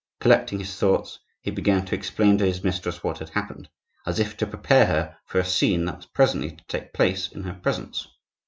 Collecting this thoughts, he began to explain to his mistress what had happened, as if to prepare her for a scene that was presently to take place in her presence.